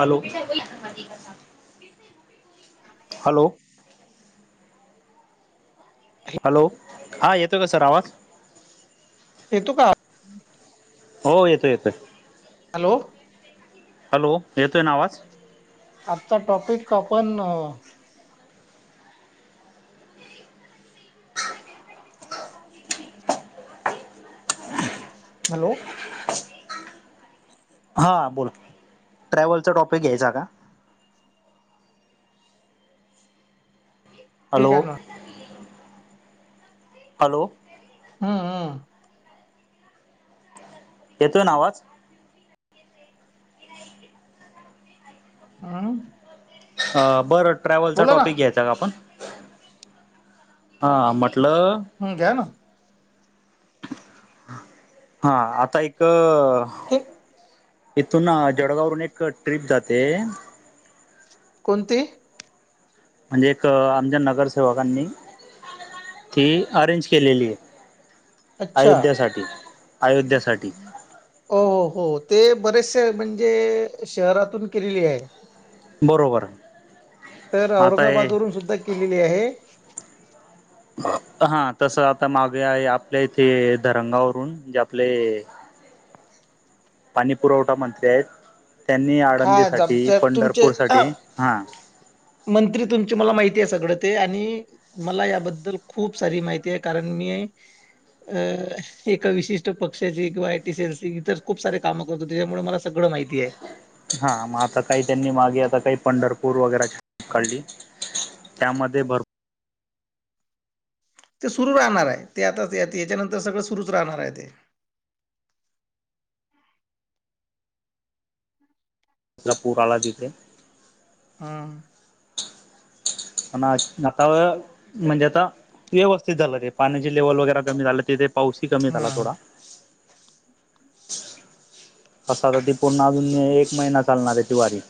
Hello, hello. Hello हा येतोय का सर आवाज. येतो का. हो येतो येतो. हॅलो. हॅलो येतोय ना आवाज. आजताचा टॉपिक का पणं हॅलो. हा बोला ट्रॅव्हलचा टॉपिक घ्यायचा का? ठीक हॅलो आहे ना. हॅलो. हां. येतोय ना अवाज. आं बरं ट्रॅव्हलचा ना टॉपिक या. हम्म [unintelligible] हा म्हटलं. हम् घ्या ना. हा आता एक. ते इथून जळगाववरून एक ट्रीप जाते कोणती. म्हणजे एक आमच्या नगरसेवकांनी. ती अरेंज केलेली. अच्छा अयोध्यासाठी अयोध्यासाठी हो हो हो ते बरेचसे म्हणजे शहरातून केलेली आहे. बरोबर तर आता हे औरंगाबाद वून सुद्धा केलेली आहे. हा तस आता मागे आहे आपल्या इथे धरंगावरून जे आपले पाणीपुरवठा मंत्री आहेत त्यांनी हा आळंदीसाठी, आमच्या तुमचे पंढरपूरसाठी हा. मंत्री तुमची मला माहिती आहे सगळं ते आणि मला याबद्दल खूप सारी माहिती आहे कारण मी अ एका विशिष्ट पक्ष्याची किंवा आय टी सी एल ची इतर खूप सारे कामं करतो त्याच्यामुळे मला सगळं माहितीय आहे. हा मग आता काही त्यांनी मागे आता काही पंढरपूर वगैरे चे काढली. त्यामध्ये भरपूर. ते सुरू राहणार आहे ते आताच याच्यानंतर सगळं सुरूच राहणार आहे ते. ला पूर आला तिथे. हा प आता म्हणजे आता व्यवस्थित झालं ते पाण्याची लेवल वगैरे कमी झालं तिथे. पाऊसही कमी झाला हं थोडा. आता तरी ती पूर्ण अजून एक महिना चालणार आहे ती वारी.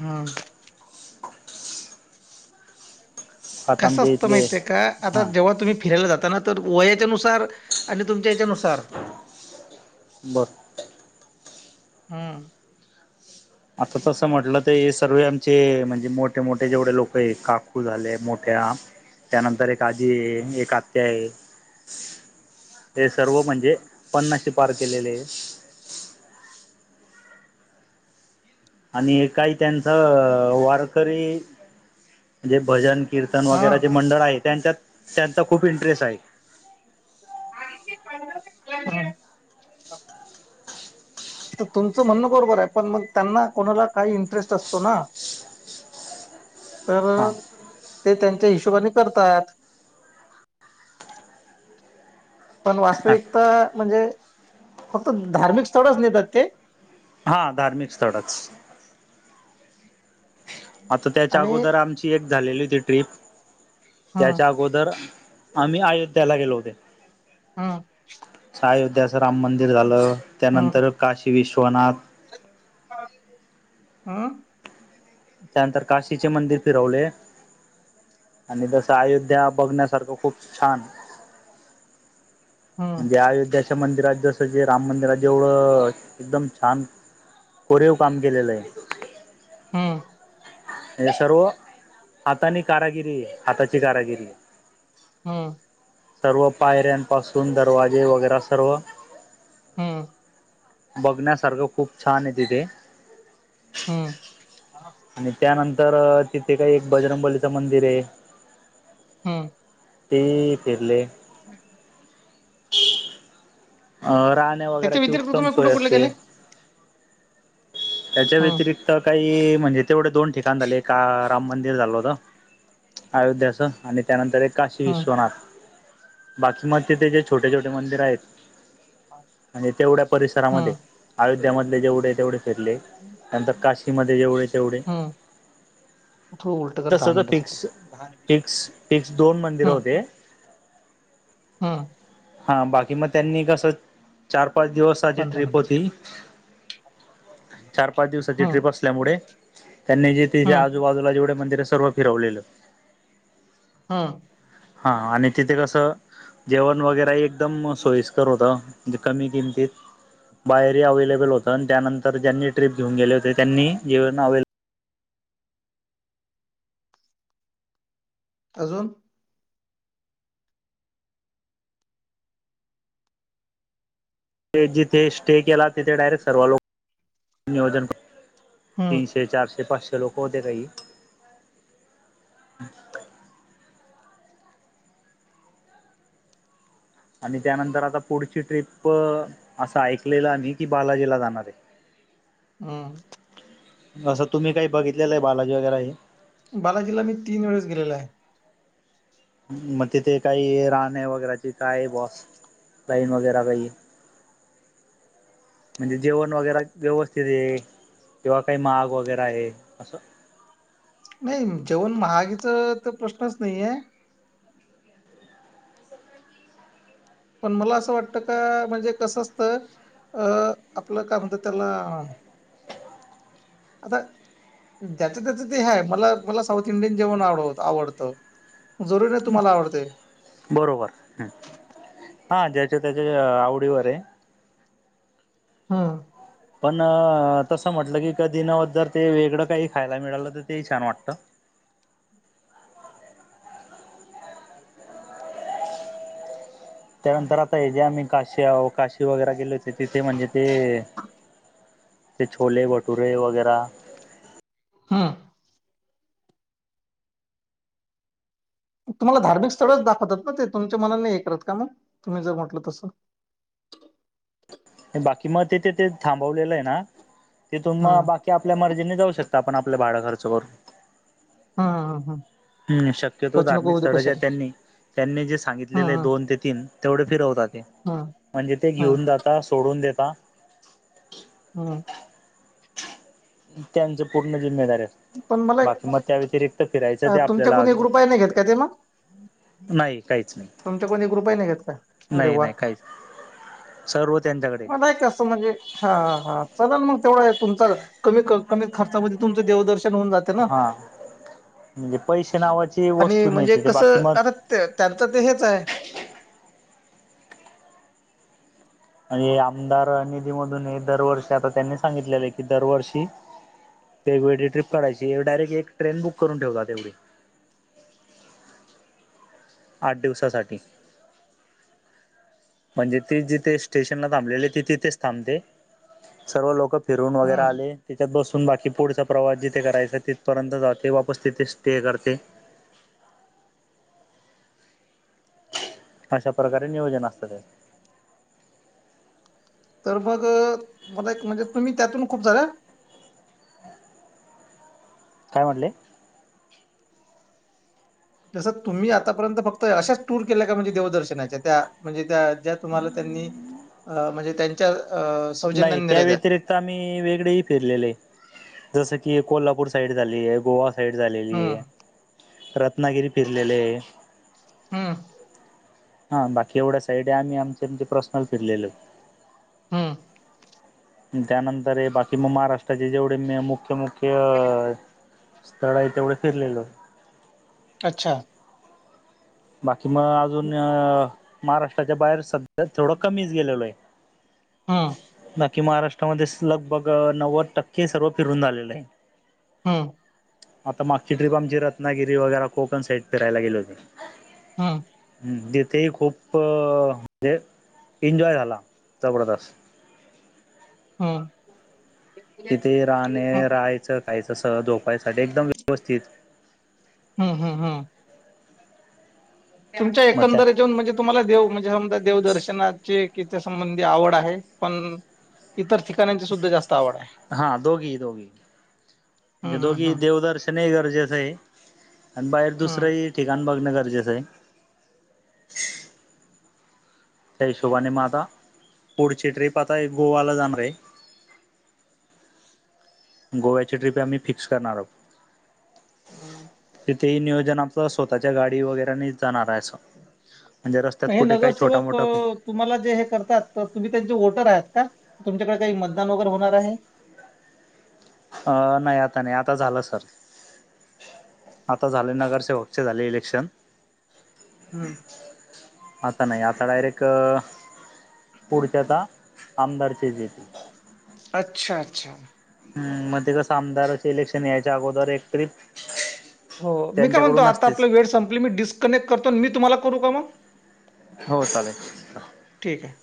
हम आता कसं आमच्या असतं इथले माहितीये का आता हा जेव्हा तुम्ही फिरायला जाताना तर वयाच्यानुसार आणि तुमच्या याच्यानुसार. बर हम्म. आता तसं म्हटलं तर एस. सर्व आमचे म्हणजे मोठे मोठे जेवढे लोक आहे काकू झाले मोठ्या त्यानंतर एक आजी आहे एक आत्या आहे. हे सर्व म्हणजे पन्नासे पार केलेले आहे. आणि काही त्यांचा वारकरी जे भजन कीर्तन हा वगैरे जे मंडळ आहे. त्यांच्यात त्यांचा खूप इंटरेस्ट आहे. [inaudible] तर तुमचं म्हणणं बरोबर आहे. पण मग त्यांना कोणाला काही इंटरेस्ट असतो ना! तर हा ते त्यांच्या हिशोबाने करतात. पण वास्तविकता म्हणजे फक्त धार्मिक स्थळच नेतात ते? हा धार्मिक स्थळच. आता त्याच्या आणि अगोदर आमची एक झालेली होती ट्रिप हं त्याच्या अगोदर आम्ही अयोध्येला गेलो होते. हा अयोध्याचं राम मंदिर झालं त्यानंतर हं काशी विश्वनाथ. ह! त्यानंतर काशीचे मंदिर फिरवले. आणि जसं अयोध्या बघण्यासारखं खूप छान. हं त्या अयोध्याच्या मंदिरात जसं जे राम मंदिरात जेवढं एकदम छान कोरीव काम केलेलं आहे. हम हे सर्व हातानी कारागिरी हाताची कारागिरी. हम. सर्व पायऱ्यांपासून दरवाजे वगैरे सर्व हम बघण्यासारखं खूप छान आहे तिथे. हम्म. आणि त्यानंतर तिथे काही एक बजरंगबलीच मंदिर आहे. हम्म. ते फिरले. [inaudible] अ राहणे त्याच्या वगैरेची व्यतिरिक्त उत्तम तुम्ही सोय कुठे कुठे असते. गेले त्याच्या हम्म व्यतिरिक्त काही म्हणजे तेवढे दोन ठिकाण झाले का राम मंदिर झालं होत? अयोध्याचं आणि त्यानंतर एक काशी हम्म विश्वनाथ बाकी मग, तिथे जे छोटे, छोटे मंदिर आहेत. आणि तेवढ्या परिसरामध्ये, हम्म अयोध्यामधले जेवढे आहे तेवढे फिरले नंतर काशीमध्ये जेवढे, तेवढे हम्म थोडं उलट कर तस दहा तर फिक्स मिनिटासाठी फिक्स फिक्स दोन मंदिर होते. हा. हा, बाकी मग त्यांनी कसं चार, पाच दिवस आधी पंधरा ट्रिप होती. मिनिटासाठी चार, पाच दिवसाची हम्म ट्रिप असल्यामुळे त्यांनी जे तिथे हम्म आजूबाजूला जेवढे मंदिर सर्व फिरवलेलं. हा. हा, आणि तिथे कसं, जेवण वगैरे ही एकदम सोयीस्कर होतं म्हणजे कमी किमतीत. बाहेरही अवलेबल होत आणि त्यानंतर ज्यांनी ट्रिप घेऊन गेले होते त्यांनी जेवण अवे अजून ते जिथे स्टे केला, तिथे डायरेक्ट सर्व लोक नियोजन हम्म तीनशे तेे चारशे पाच शे लोकं होते काही. आणि त्यानंतर आता पुढची ट्रिप असं ऐकलेलं मी की बालाजीला जाणार आहे. [inaudible] हम्म. असं तुम्ही काही बघितलेलं आहे बालाजी वगैरे हे बालाजीला मी तीन वेळेस गेलेलो आहे. मग तिथे काही राहणे वगैरे ची काय आहे बॉस. लाईन वगैरे काही, म्हणजे जेवण वगैरे व्यवस्थित आहे. किंवा काही माग वगैरे आहे असं. नाय जेवण महागय तर प्रश्नच नाहीये. पण, मला असं वाटतं का म्हणजे कसं असत अ आपलं काय म्हणत त्याला आता ज्याचं त्याच ते हे आहे मला, मला साऊथ इंडियन जेवण आवड आवडतं. जरूर या तुम्हाला आवडते. बरोबर हां, ज्याच्या, त्याच्या आवडीवर आहे. हं. पण, तसं म्हटलं की कधी नव्ह जर ते वेगळं काही खायला मिळालं तर तेही छान वाटत. त्यानंतर आता हे जे आम्ही काशी, काशी वगैरा केलेत. ते तिथे म्हणजे ते छोले भटुरे वगैरा. हां तुम्हाला धार्मिक स्थळच दाखवतात ना ते, तुमच्या मनाने नाही हे करत का? मग तुम्ही जर म्हटलं तसं. बाकी मग, ते तेथ ते थांबवलेलं आहे ना तिथून हम्म मग बा ते आपल्या मर्जीने जाऊ शकता, आपण आपलं भाडं खर्च करून. हा हा हा. हम् शक्यतो धार्मिक स्थळ जे त्यांनी त्यांनी जे हम्म सांगितलेले हम्म दोन ते तीन तेवढे फिरवतात. ते हम्म म्हणजे ते हम्म घेऊन जात आ सोडून देता हा. त्यांचं पूर्ण जिम्मेदार असतं. पण मला एक बाकी मग, त्या व्यतिरिक्त फिरायचं अ, ते तुमच्या आपल्याला कोणी ग्रुपही नाही घेत का ते मग नाही काहीच नाही तुमच्या कुण एक रुपया नाही घेत का अरे नाही वा! नाही काहीच सर्व त्यांच्याकड. मला आहे तसं म्हणजे. हा हा, चलाल मग, तेवढा तुमच कमी कमी खर्चामध्ये तुमचं देवदर्शन होऊन जात. हा, म्हणजे पैसे नावाची आणि वस्तू म्हणजे मिळते बाकी कसं मग, आता ते त्यांचं ते हेच आहे. म्हणजे आमदार निधीमधून हे दरवर्षी आता त्यांनी सांगितलेलं आहे की दरवर्षी वेग वेगळी ट्रिप काढायची डायरेक् एक ट्रेन बुक करून ठेवता तेवढी. आठ दिवसासाठी. म्हणजे ती जिथे स्टेशनला थांबलेली ती तिथेच थांबते. सर्व लोक फिरून वगैरे हम्म आले. तिच्यात बसून बाकी पुढचा प्रवास जिथे करायचा तिथपर्यंत जाते वापस तिथे स्टे करते. अशा प्रकारे नियोजन असत ते. तर मग मला एक म्हणजे तुम्ही त्यातून खूप झाला. काय म्हटले? जसं तुम्ही आतापर्यंत फक्त अशाच टूर केल्या का म्हणजे देवदर्शनाच्या त्या म्हणजे त्या ज्या तुम्हाला त्यांनी अ म्हणजे त्यांच्या अ नाही सौजन्याने त्या नेल्या व्यतिरिक्त आम्ही वेगळेही फिरलेले आहे जस की कोल्हापूर साईड झाली ये गोवा साईड झालेली हम्म आहे रत्नागिरी फिरलेले हे. हा हा बाकी एवढ्या साईड आहे आम्ही आमच्या म्हणजे प्रर्सनल फिरलेलो. हा त्यानंतर हे बाकी मग महाराष्ट्राचे जेवढे म मुख्य मुख्य स्थळ आहे तेवढे फिरलेलो. अच्छा बाकी मग अजून महाराष्ट्राच्या बाहेर सध्या थोडं कमीच गेलेलो आहे. [inaudible] हा बाकी महाराष्ट्रामध्ये लगभग नव्वद टक्के सर्व फिरून झालेलं आहे. हम आता मागची ट्रिप आमची रत्नागिरी वगैरे कोकण साईड फिरायला गेल होते. हा जेथेही खूप म्हणजे एन्जॉय झाला जबरदस्त. हम तिथे राहणे हम्म राहायचं खायचं सह झोपायसाठी एकदम व्यवस्थित. हम हम हा तुमच्या मग त्या एकंदरीत जेऊन म्हणजे तुम्हाला देव म्हणजे समजा देवदर्शनाचे कीच्या संबंधी आवड आहे पण इतर ठिकाणांची सुद्धा जास्त आवड आहे हा दोघी दोघी हम्म हम्म हम्. बघण हे गरजेचं आहे आणि बाहेर हम्म दुसरंही ठिकाण बघणं गरजेचं आहे. त्या हिशोबाने म हम्म आता पुढची ट्रीप आता एक गोवाला जाणार आहे. गोव्याची ट्रिप आम्ही फिक्स करनार आहोत. [inaudible] तिथेही नियोजन आमच स्वतःच्या गाडी वगैरेनी जाणार आहे अस. म्हणजे रस्त्यात मग हे कुठे काही छोटा नगरसेवक मोठा अ, तुम्हाला जे हे करतात तर तुम्ही त्यांचे वोटर आहेत का? तुमच्याकडे काही मतदान वगैरे होणार आहे. अ नाही आता नाही आता झालं सर. आता झाले नगरसेवकचे झाले इलेक्शन. हम्म आता नाही आता डायरेक्ट क. पुढच्या त्या आमदारचे येते. अच्छा अच्छा. हम्म मग ते कसं आमदाराचे इलेक्शन यायच्या अगोदर एक ट्रीप. हो मी काय म्हणतो आता आपला वेळ संपली, मी डिस्कनेक्ट करतो मी तुम्हाला करू का मगं. हो चालेल. ठीक आहे.